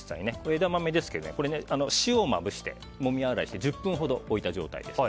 枝豆ですがこれ、塩をまぶしてもみ洗いして１０分ほど置いた状態です。